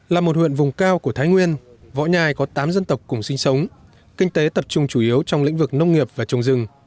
là một huyện vùng cao của thái nguyên võ nhai có tám dân tộc cùng sinh sống kinh tế tập trung chủ yếu trong lĩnh vực nông nghiệp và trồng rừng